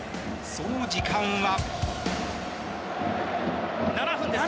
その時間は。